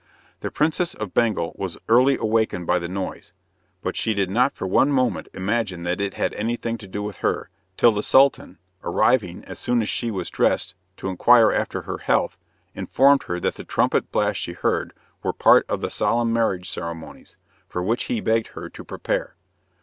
The Princess of Bengal was early awakened by the noise, but she did not for one moment imagine that it had anything to do with her, till the Sultan, arriving as soon as she was dressed to inquire after her health, informed her that the trumpet blasts she heard were part of the solemn marriage ceremonies, for which he begged her to prepare.